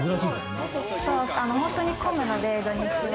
本当に混むので土日は。